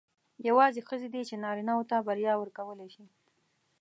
یوازې ښځې دي چې نارینه وو ته بریا ورکولای شي.